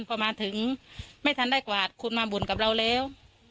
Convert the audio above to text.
พอมาถึงไม่ทันได้กวาดคุณมาบุญกับเราแล้ว